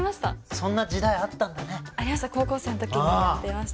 そんな時代あったんだねありました